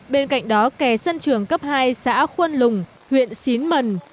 bên cạnh đó kè sân trường cấp hai xã khuân lùng huyện xín mần